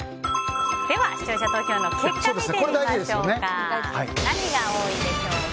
では、視聴者投票の結果を見てみましょうか。